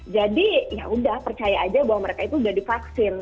jadi ya udah percaya aja bahwa mereka itu udah divaksin